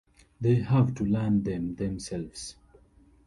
They have to learn them themselves.